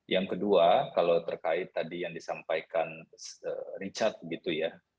yang kedua kalau terkait tadi yang disampaikan richard gitu ya